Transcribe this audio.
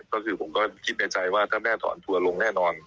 ก็คือผมก็คิดในใจว่าถ้าแม่ถอนทัวร์ลงแน่นอน